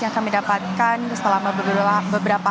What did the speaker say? yang kami dapatkan selama beberapa hari